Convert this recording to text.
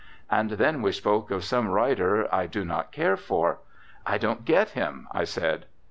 And then we spoke of some writer I do not care for. "I don't get him," I said.